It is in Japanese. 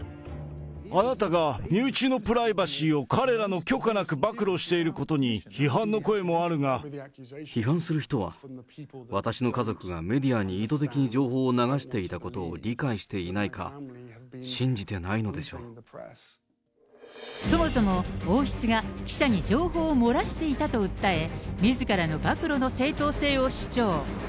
あなたが身内のプライバシーを彼らの許可なく暴露しているこ批判する人は、私の家族がメディアに意図的に情報を流していたことを理解していそもそも、王室が記者に情報を漏らしていたと訴え、みずからの暴露の正当性を主張。